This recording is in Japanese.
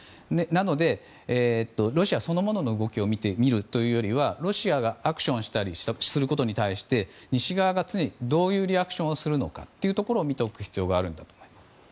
なので、ロシアそのものの動きを見るというよりはロシアがアクションしたりすることに対して西側が常にどういうリアクションをするのかを見ておく必要があるんだと思います。